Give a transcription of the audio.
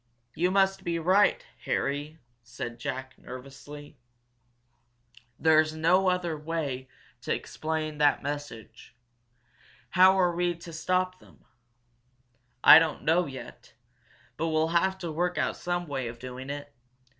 "You must be right, Harry!" said Jack, nervously. "There's no other way to explain that message. How are we going to stop them?" "I don't know yet, but we'll have to work out some way of doing it.